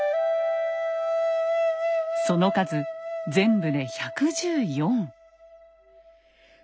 その数全部で１１４。